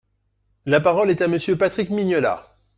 La parole est à Monsieur Patrick Mignola.